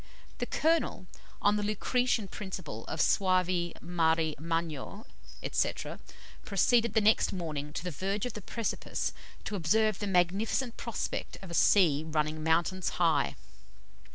The Colonel, on the Lucretian principle of "Suave mari magno," &c., proceeded the next morning to the verge of the precipice to observe the magnificent prospect of a sea running mountains high.